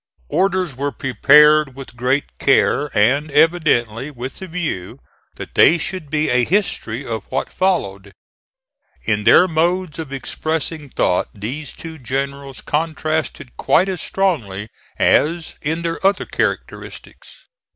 Orders were prepared with great care and evidently with the view that they should be a history of what followed. In their modes of expressing thought, these two generals contrasted quite as strongly as in their other characteristics.